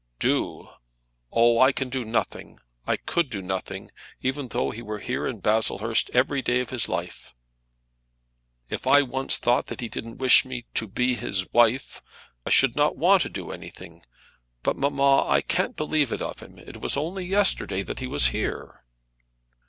"Do! Oh, I can do nothing. I could do nothing, even though he were here in Baslehurst every day of his life. If I once thought that he didn't wish me to be his wife, I should not want to do anything. But, mamma, I can't believe it of him. It was only yesterday that he was here."